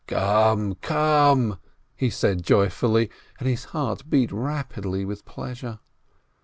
"Come, come!" he said joyfully, and his heart beat rapidly with pleasure.